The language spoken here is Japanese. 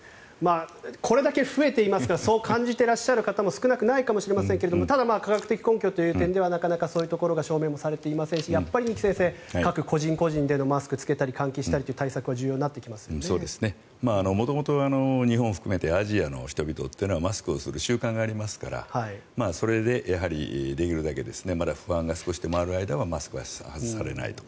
これだけ増えていますからそう感じていらっしゃる方も少なくないかもしれませんがただ科学的根拠という面ではなかなかそういうところは証明もされていませんしやっぱり、二木先生各個人個人でのマスクを着けたり換気をしたりという元々、日本含めてアジアの人々はマスクをする習慣がありますからそれで、できるだけ不安が少しでもある間はマスクは外されないと。